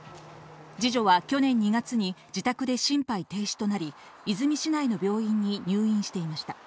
次女は去年２月に自宅で心肺停止となり、和泉市内の病院に入院していました。